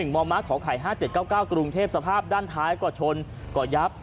มมขไข่๕๗๙๙กรุงเทพสภาพด้านท้ายก็ชนก็ยับ